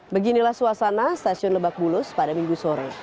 beginilah suasana stasiun lebak bulus pada minggu sore